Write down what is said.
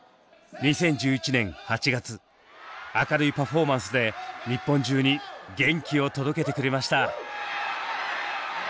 ２０１１年８月明るいパフォーマンスで日本中に元気を届けてくれました。